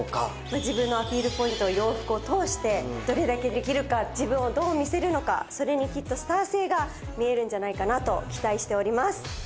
自分のアピールポイントを洋服を通して、どれだけできるか、自分をどう見せるのか、それにきっとスター性が見えるんじゃないかなと期待しております。